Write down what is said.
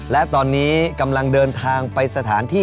และตอนนี้กำลังเดินทางไปสถานที่